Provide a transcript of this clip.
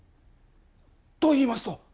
といいますと？